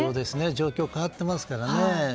状況が変わってますからね。